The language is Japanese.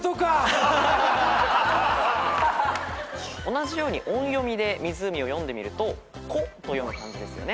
同じように音読みで「湖」を読んでみると「こ」と読む漢字ですよね。